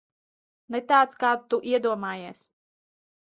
Ne tāds, kādu tu iedomājies.